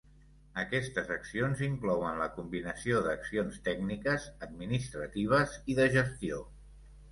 Aquestes accions inclouen la combinació d'accions tècniques, administratives i de gestió.